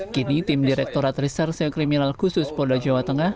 kini tim direktorat riserseo kriminal khusus polda jawa tengah